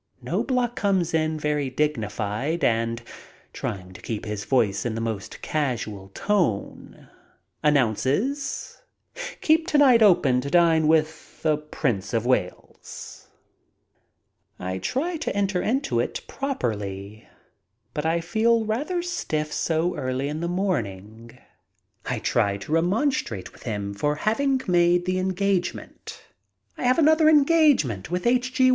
Ejtiobloch comes in very dignified and, MEETING BURKE AND WELLS 97 trying to keep his voice in the most casual tone, announces, "Keep to night open to dine with the Prince of Wales." I try to enter into it properly, but I feel rather stiff so early in the morning. I try to remonstrate with him for having made the engagement. I have another engagement with H. G.